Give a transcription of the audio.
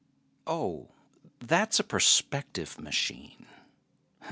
Oh, that's a perspective machine.